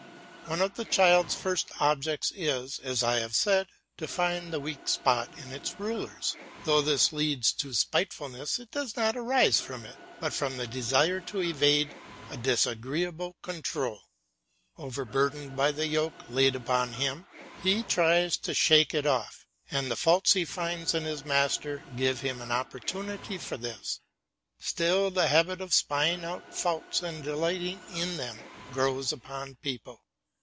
One of the child's first objects is, as I have said, to find the weak spots in its rulers. Though this leads to spitefulness, it does not arise from it, but from the desire to evade a disagreeable control. Overburdened by the yoke laid upon him, he tries to shake it off, and the faults he finds in his master give him a good opportunity for this. Still the habit of spying out faults and delighting in them grows upon people.